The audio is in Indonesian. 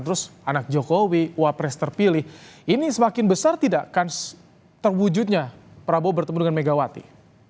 terus anak jokowi wapres terpilih ini semakin besar tidak akan terwujudnya prabowo bertemu dengan megawati